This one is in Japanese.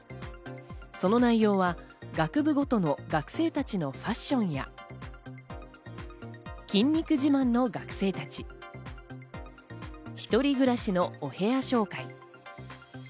その内容は学部ごとの学生たちのファッションや、筋肉自慢の学生たち、ひとり暮らしのお部屋紹介。